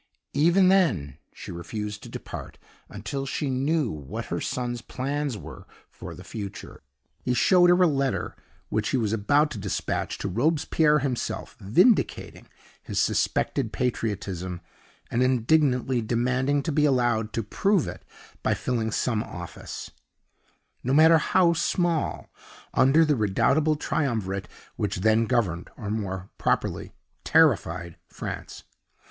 Even then she refused to depart, until she knew what her son's plans were for the future. He showed her a letter which he was about to dispatch to Robespierre himself, vindicating his suspected patriotism, and indignantly demanding to be allowed to prove it by filling some office, no matter how small, under the redoubtable triumvirate which then governed, or more properly terrified, France.